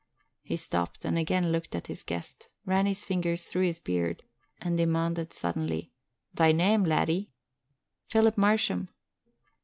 He stopped and again looked at his guest, ran his fingers through his beard and demanded suddenly, "Thy name, laddie?" "Philip Marsham."